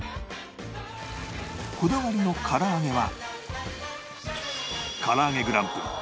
こだわりのからあげは